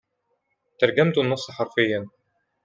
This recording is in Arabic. ترجمت النص حرفياً.